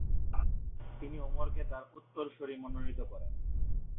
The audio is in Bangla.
তিনি উমরকে তার উত্তরসুরি মনোনীত করেন।